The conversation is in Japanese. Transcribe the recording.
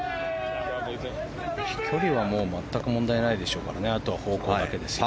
飛距離は全く問題ないでしょうからあとは方向だけですよ。